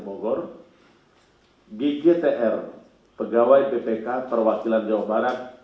bogor gigitr pegawai bpk perwakilan jawa barat